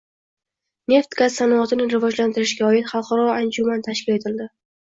Neft-gaz sanoatini rivojlantirishga oid xalqaro anjuman tashkil etilding